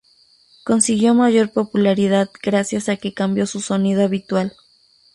Consiguió mayor popularidad gracias a que cambió su sonido habitual.